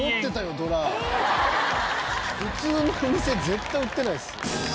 普通のお店絶対売ってないですよ。